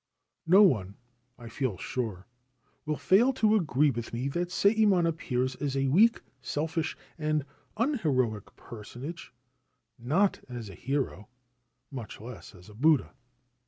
No one, I feel sure, will fail to agree with me that Sayemon appears as a weak, selfish, and unheroic personage — not as a hero, much less as a Buddha.